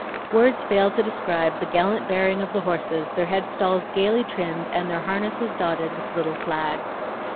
Words fail to describe the gallant bearing of the horses, their headstalls gayly trimmed and their harnesses dotted with little flags.